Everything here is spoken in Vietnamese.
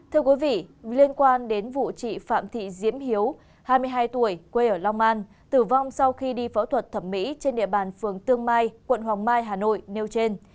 thưa quý vị liên quan đến vụ chị phạm thị diễm hiếu hai mươi hai tuổi quê ở long an tử vong sau khi đi phẫu thuật thẩm mỹ trên địa bàn phường tương mai quận hoàng mai hà nội nêu trên